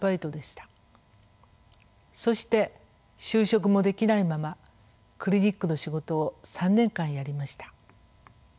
そして就職もできないままクリニックの仕事を３年間やりました。